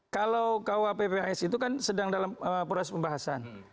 kalau kuappis itu kan sedang dalam proses pembahasan